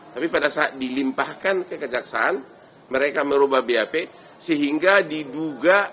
tapi pada saat dilimpahkan ke kejaksaan mereka merubah bap sehingga diduga ada tiga orang lagi